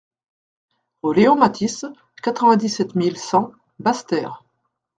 Rue Léon Mathis, quatre-vingt-dix-sept mille cent Basse-Terre